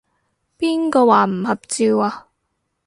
邊個話唔合照啊？